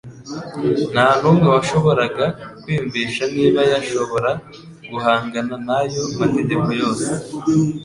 Nta n'umwe washoboraga kwiyumvisha niba yashobora guhangana n'ayo mategeko yose.